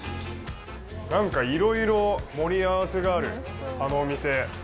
なんか、いろいろ盛り合わせがあるあのお店。